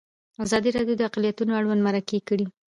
ازادي راډیو د اقلیتونه اړوند مرکې کړي.